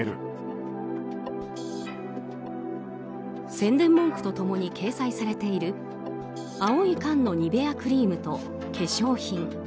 宣伝目と共に掲載されている青い缶のニベアクリームと化粧品。